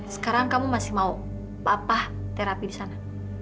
sekarang kamu masih mau apa terapi di sana